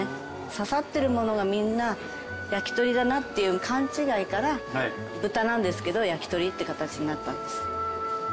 刺さってるものがみんなやきとりだなっていう勘違いから豚なんですけどやきとりって形になったんです。